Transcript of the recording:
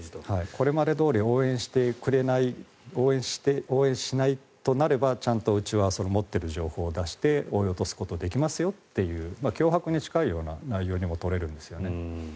これまでどおり応援しないとなればちゃんとうちは持っている情報を出して追い落とすことができますよという脅迫に近いような内容にも取れますね。